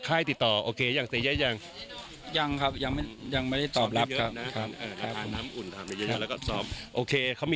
คอยอยู่เคียงข้างกันสมะและเป็นเธอคนเดิมสมะ